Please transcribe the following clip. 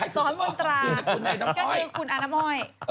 ซ้อนมนตราก็เจอกับคุณอ้าน้ำอ้อย